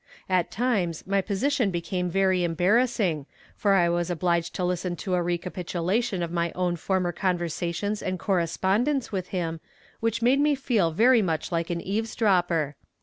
At times my position became very embarrassing, for I was obliged to listen to a recapitulation of my own former conversations and correspondence with him, which made me feel very much like an eavesdropper.